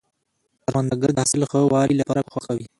کروندګر د حاصل ښه والي لپاره کوښښ کوي